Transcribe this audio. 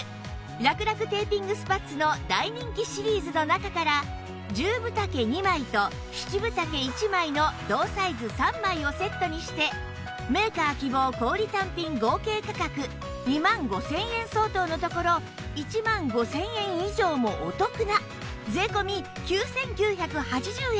らくらくテーピングスパッツの大人気シリーズの中から１０分丈２枚と７分丈１枚の同サイズ３枚をセットにしてメーカー希望小売単品合計価格２万５０００円相当のところ１万５０００円以上もお得な税込９９８０円